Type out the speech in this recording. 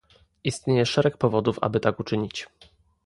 Istnieje szereg powodów, aby tak uczynić